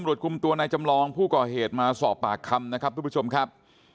คุมตัวนายจำลองผู้ก่อเหตุมาสอบปากคำนะครับทุกผู้ชมครับ